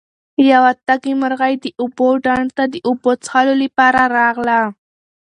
یوه تږې مرغۍ د اوبو ډنډ ته د اوبو څښلو لپاره راغله.